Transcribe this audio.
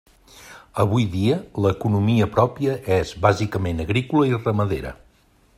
Avui dia, l'economia pròpia és bàsicament agrícola i ramadera.